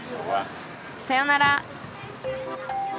さよなら。